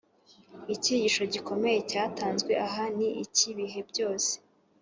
icyigisho gikomeye cyatanzwe aha ni icy’ibihe byose.